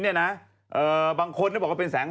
อย่างกิน